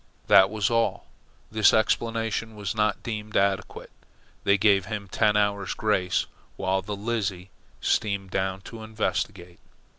That was all. This explanation was not deemed adequate. They gave him ten hours' grace while the Lizzie steamed down to investigate.